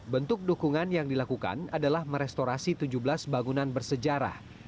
bentuk dukungan yang dilakukan adalah merestorasi tujuh belas bangunan bersejarah